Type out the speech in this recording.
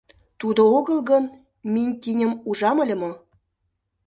Тудо огыл гын, минь тиньым ужам иле мо?